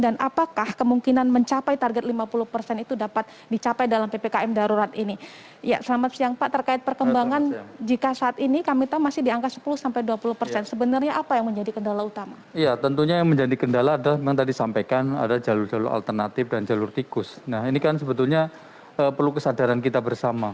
nah ini kan sebetulnya perlu kesadaran kita bersama